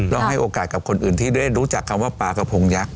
แล้วให้โอกาสกับคนอื่นที่ได้รู้จักคำว่าปลากระพงยักษ